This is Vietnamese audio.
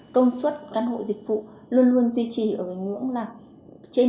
công suất căn hộ dịch vụ luôn luôn duy trì ở ngành ngưỡng là trên tám mươi